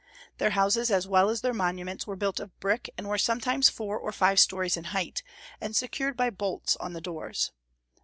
Their houses as well as their monuments were built of brick, and were sometimes four or five stories in height, and secured by bolts on the doors.